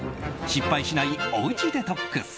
失敗しない、おうちデトックス。